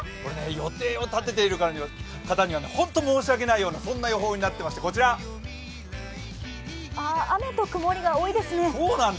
予定を立てている方にはホント申し訳ないような、そんな予報になってまして、こちら雨と曇りが多いですね。